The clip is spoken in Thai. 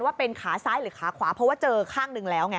ว่าเป็นขาซ้ายหรือขาขวาเพราะว่าเจอข้างหนึ่งแล้วไง